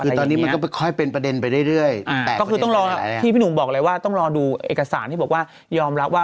คือตอนนี้มันค่อยเป็นประเด็นไปได้เรื่อยต้องรอตรงคู่ดิการต่องรอดูเอกสารที่บอกว่ายอมรับว่า